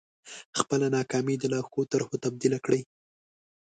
خپله ناکامي د لا ښو طرحو تبديله کړئ.